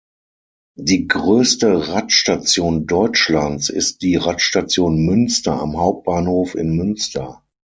Die größte Radstation Deutschlands ist die Radstation Münster am Hauptbahnhof in Münster.